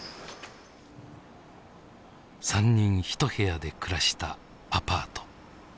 ３人一部屋で暮らしたアパート。